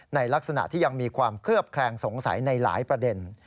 ในลักษณะที่ยังมีความเคลือบแคลงสงสัยในหลายประเด็น